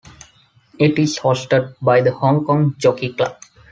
It is hosted by the Hong Kong Jockey Club.